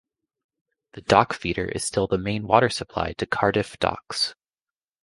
The dock feeder is still the main water supply to Cardiff Docks.